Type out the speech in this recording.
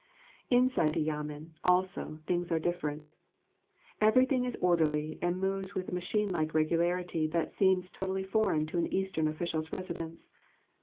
Inside the Yamen, also, things are different. Everything is orderly and moves with a machine like regularity that seems totally foreign to an Eastern official's residence.